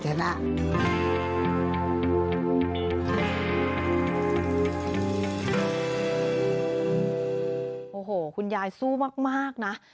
โอ้โหคุณยายสู้มากนะ